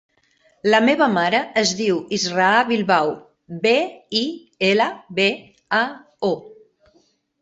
La meva mare es diu Israa Bilbao: be, i, ela, be, a, o.